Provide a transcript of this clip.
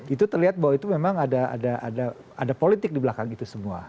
itu terlihat bahwa itu memang ada politik di belakang itu semua